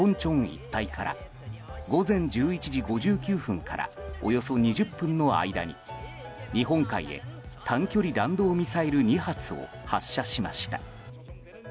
一帯から午前１１時５９分からおよそ２０分の間に日本海へ短距離弾道ミサイル２発を発射しました。